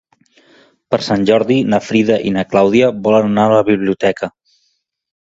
Per Sant Jordi na Frida i na Clàudia volen anar a la biblioteca.